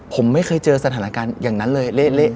ผมไม่เคยเจอสถานการณ์อย่างนั้นเลยเละ